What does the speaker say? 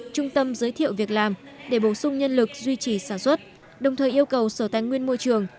trung tâm giới thiệu việc làm để bổ sung nhân lực duy trì sản xuất đồng thời yêu cầu sở tài nguyên môi trường